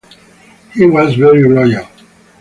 He was very loyal.